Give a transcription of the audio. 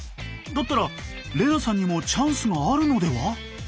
だったら玲那さんにもチャンスがあるのでは！？